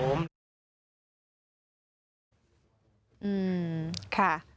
อืมค่ะ